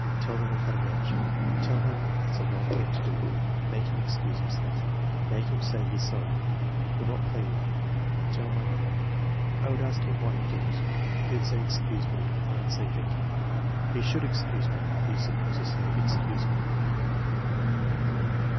"Tell them to 'cut it out.'" "Tell him it's a wrong thing to do." "Make him excuse himself." "Make him say he *s sorry." "Would not play with him." "Tell my mamma." "I would ask him why he did it." "He 'd say 'excuse me' and I 'd say * thank you."* "He should excuse me." "He is supposed to say e excuse me.